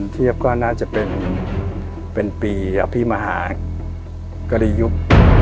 เทียบก็น่าจะเป็นเป็นปีอภิมฮากรยุค